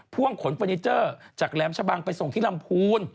พ่วงขนเฟอร์นิเจอร์จากแหลมชะบังไปส่งที่ลำพูน